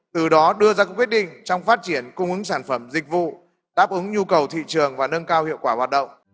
từ đó đưa ra các quyết định trong phát triển cung ứng sản phẩm dịch vụ đáp ứng nhu cầu thị trường và nâng cao hiệu quả hoạt động